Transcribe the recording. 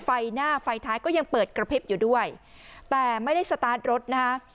ไฟหน้าไฟท้ายก็ยังเปิดกระพริบอยู่ด้วยแต่ไม่ได้สตาร์ทรถนะฮะ